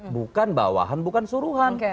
bukan bawahan bukan suruhan